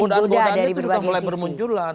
godaan godaan itu sudah mulai bermunculan